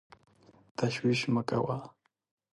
تشویش مه کوه !